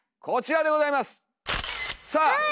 こちらでございます！さあ！